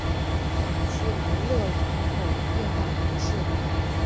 朗屈雷勒人口变化图示